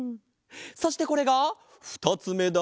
そしてこれがふたつめだ。